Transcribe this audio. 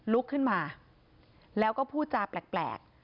ลุกขึ้นมาแล้วก็พูดจาแปลก